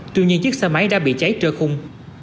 tuy nhiên chiếc xe máy đã bị cháy trơ khung